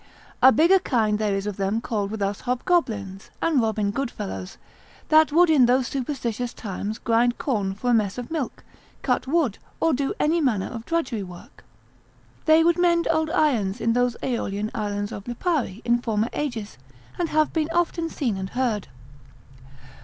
A bigger kind there is of them called with us hobgoblins, and Robin Goodfellows, that would in those superstitious times grind corn for a mess of milk, cut wood, or do any manner of drudgery work. They would mend old irons in those Aeolian isles of Lipari, in former ages, and have been often seen and heard.